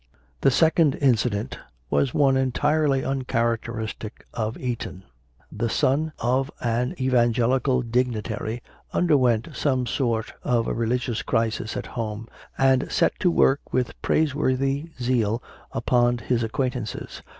The second incident was one entirely uncharac teristic of Eton. The son of an Evangelical dig nitary underwent some sort of a religious crisis at home and set to work with praiseworthy zeal upon his acquaintances.